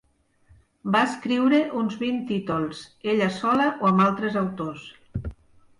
Va escriure uns vint títols, ella sola o amb altres autors.